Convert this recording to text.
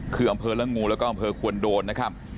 คืออำเภอละงูแล้วก็อำเภอควรโดนนะครับ